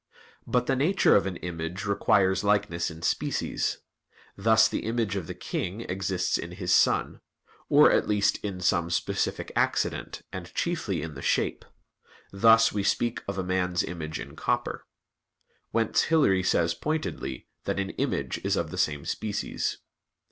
But the nature of an image requires likeness in species; thus the image of the king exists in his son: or, at least, in some specific accident, and chiefly in the shape; thus, we speak of a man's image in copper. Whence Hilary says pointedly that "an image is of the same species."